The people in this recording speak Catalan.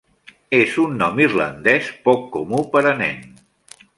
És un nom irlandès poc comú per a nen.